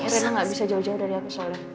karena rena nggak bisa jauh jauh dari aku sayang